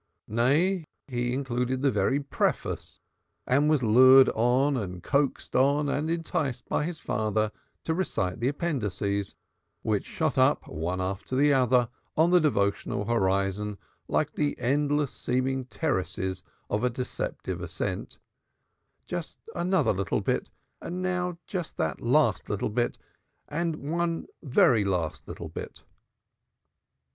Nay, he included the very preface, and was lured on and coaxed on and enticed by his father to recite the appendices, which shot up one after the other on the devotional horizon like the endless seeming terraces of a deceptive ascent; just another little bit, and now that little bit, and just that last bit, and one more very last little bit.